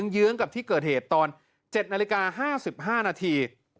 เยื้องกับที่เกิดเหตุตอน๗นาฬิกา๕๕นาที